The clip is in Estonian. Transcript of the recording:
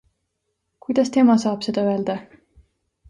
Kuidas tema saab seda öelda?